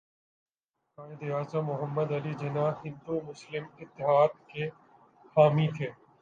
قائداعظم محمد علی جناح ہندو مسلم اتحاد کے حامی تھے